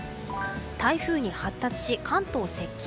台風に発達し、関東接近。